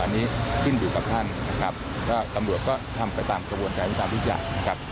อันนี้ขึ้นอยู่กับท่านนะครับก็ตำรวจก็ทำไปตามกระบวนการวิตามทุกอย่างนะครับ